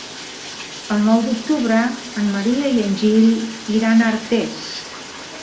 El nou d'octubre en Maria i en Gil iran a Artés.